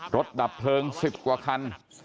ดับเพลิง๑๐กว่าคัน